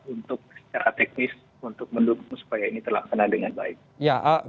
untuk secara teknis untuk mendukung supaya ini terlaksana dengan baik